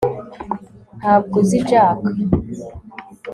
ntabwo uzi jack